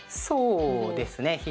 そうですね。